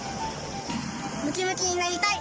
「ムキムキになりたい」